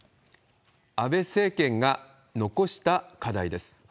安倍政権が残した課題です。